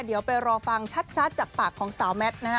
เดี๋ยวไปรอฟังชัดจากปากของสาวแมทนะฮะ